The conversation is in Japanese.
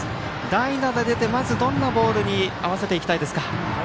代打で出て、どんなボールに合わせていきたいですか。